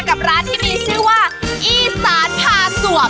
กับร้านที่มีชื่อว่าอีสานพาสวบ